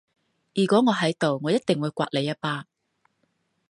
如果我喺度我一定會摑你一巴